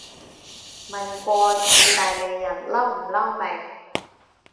問過意大利人嬲唔嬲未